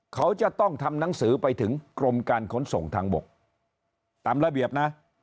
เขาจะต้องทำหนังสือไปถึงกรมการขนส่งทางบกตามระเบียบนะ